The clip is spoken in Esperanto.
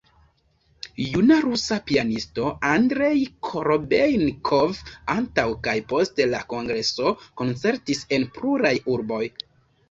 Juna rusa pianisto Andrej Korobejnikov antaŭ kaj post la kongreso koncertis en pluraj urboj.